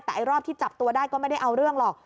แต่ไอ้รอบที่จับตัวได้ก็ไม่ได้เอาเรื่องหรอก